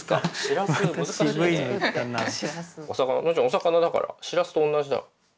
お魚だからしらすとおんなじだ。